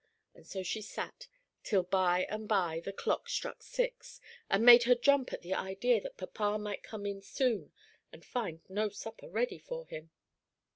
And so she sat, till by and by the clock struck six, and made her jump at the idea that papa might come in soon and find no supper ready for him.